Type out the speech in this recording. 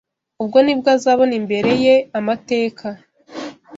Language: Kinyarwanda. Ubwo ni bwo azabona imbere ye amateka